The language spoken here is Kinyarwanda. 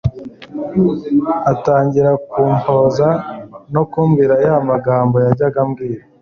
atangira kumpoza no kumbwira ya magambo yajyaga ambwira